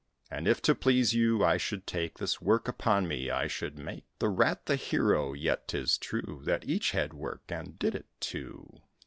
And if, to please you, I should take This work upon me, I should make The Rat the hero; yet, 'tis true That each had work, and did it, too.